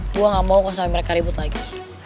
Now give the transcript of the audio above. gue gak mau sampe mereka ribut lagi